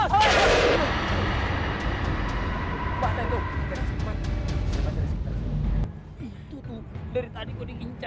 sakit lah hernya